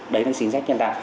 đấy là chính sách nhân đạo